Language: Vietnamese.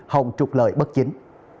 hồng trục lợi bất chính